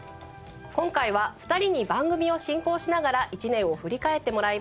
今回は２人に番組を進行しながら１年を振り返ってもらいます。